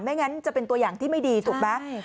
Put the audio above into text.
งั้นจะเป็นตัวอย่างที่ไม่ดีถูกไหม